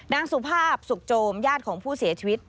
นางสุภาพสุขโจมญาติของผู้เสียชีวิต